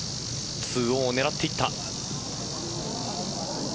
２オンを狙っていった。